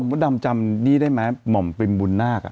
มดดำจำนี่ได้ไหมหม่อมเป็นบุญนาค